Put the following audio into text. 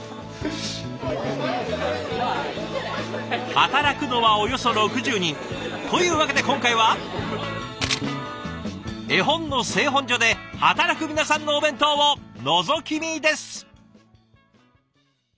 働くのはおよそ６０人。というわけで今回は絵本の製本所で働く皆さんのお弁当をのぞき見です。